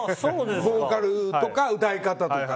ボーカルとか歌い方とか。